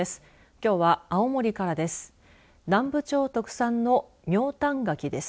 きょうは、青森からです。